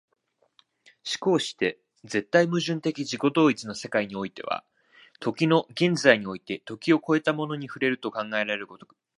而して絶対矛盾的自己同一の世界においては、時の現在において時を越えたものに触れると考えられる如く、